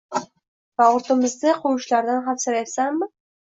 Va ortimizdan quvishlaridan xavfsirayapsanmi?